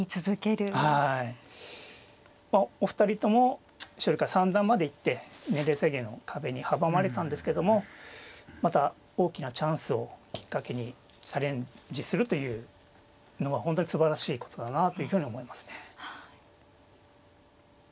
まあお二人とも奨励会三段まで行って年齢制限の壁に阻まれたんですけどもまた大きなチャンスをきっかけにチャレンジするというのは本当にすばらしいことだなというふうに思いますね。